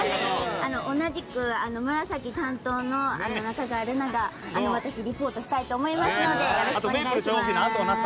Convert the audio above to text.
同じく紫担当の仲川瑠夏がリポートしたいと思いますのでお願いします。